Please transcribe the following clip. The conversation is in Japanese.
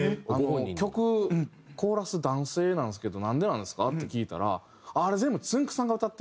「曲コーラス男性なんですけどなんでなんですか？」って聞いたら。